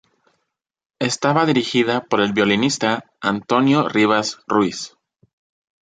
Estaba dirigida por el violinista Antonio Rivas Ruiz.